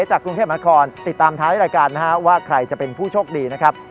จากกรุงเทพมหาคอนติดตามท้ายรายการนะฮะว่าใครจะเป็นผู้โชคดีนะครับ